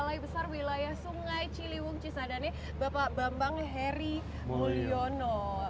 balai besar wilayah sungai ciliwung cisadane bapak bambang heri mulyono